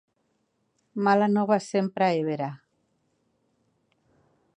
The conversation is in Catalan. Mala nova sempre és vera.